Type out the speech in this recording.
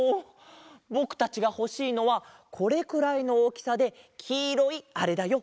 ぼくたちがほしいのはこれくらいのおおきさできいろいあれだよ。